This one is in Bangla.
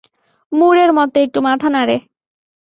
মুড়ের মতো একটু মাথা নাড়ে।